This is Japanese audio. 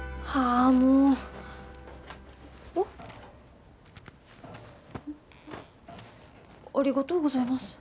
ありがとうございます。